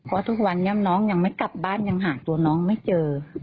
เพราะทุกวันนี้น้องยังไม่กลับบ้านยังหาตัวน้องไม่เจอ